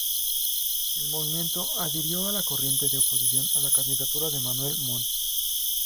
El movimiento adhirió a la corriente de oposición a la candidatura de Manuel Montt.